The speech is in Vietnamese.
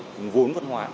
nguồn vốn văn hóa